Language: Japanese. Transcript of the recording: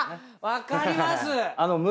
分かります。